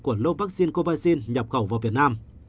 của lô vaccine covaxin nhập khẩu vào việt nam